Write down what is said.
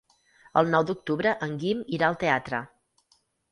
El nou d'octubre en Guim irà al teatre.